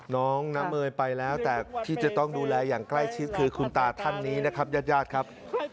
น้องน้ำเมยไปแล้วแต่ที่จะต้องดูแลอย่างใกล้ชิดคือคุณตาท่านนี้นะครับญาติญาติครับ